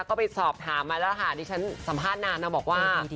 ก็ไปสอบถามมาแล้วค่ะดิฉันสัมภาษณ์นานนะบอกว่า